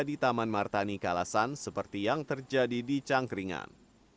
di taman martani kalasan seperti yang terjadi di cangkringan